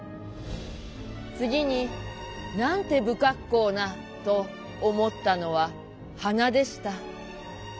つぎになんてぶかっこうなと思ったのは鼻でした。